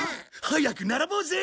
早く並ぼうぜ。